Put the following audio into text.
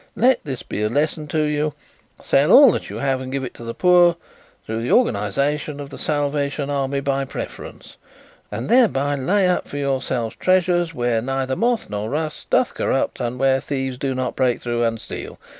Let this be a lesson to you. Sell all you have and give it to the poor through the organization of the Salvation Army by preference and thereby lay up for yourselves treasures where neither moth nor rust doth corrupt and where thieves do not break through and steal.